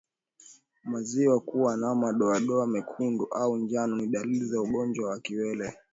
Maziwa kuwa na madoadoa mekundu au njano ni dalili za ugonjwa wa kiwele